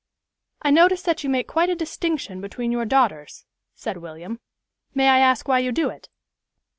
"I notice that you make quite a distinction between your daughters," said William. "May I ask why you do it?"